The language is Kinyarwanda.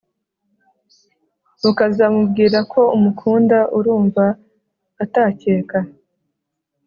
ukazamubwira ko umukunda, urumva atakeka